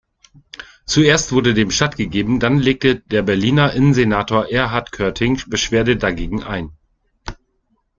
Zuerst wurde dem stattgegeben; dann legte der Berliner Innensenator Ehrhart Körting Beschwerde dagegen ein.